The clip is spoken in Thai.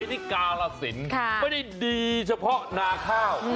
ที่กาลสินไม่ได้ดีเฉพาะนาข้าว